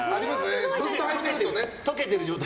溶けてる状態。